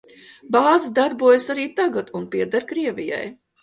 Bāze darbojas arī tagad un pieder Krievijai.